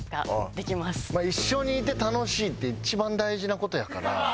一緒にいて楽しいって一番大事な事やから。